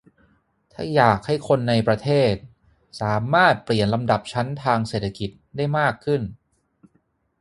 ถ้าอยากให้คนในประเทศสามารถเปลี่ยนลำดับชั้นทางเศรษฐกิจได้มากขึ้น